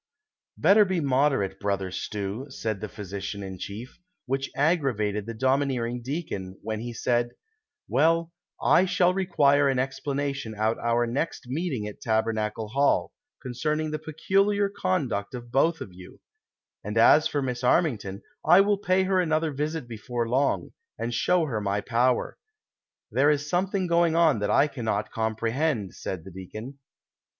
214 THE SOCIAL WAR OF 1900; OR, " Better be moderate, Brother Stew," said the physician in chief, which aggravated the domineering deacon, when he said :" Well, I shall require an explanation at our next meet ing at Tabernacle Hall, concerning the peculiar conduct of both of you ; and as for Miss Armington, I will pay her another visit before long, and show her my power ; there is something going on that I cannot comprehend," said the deacon.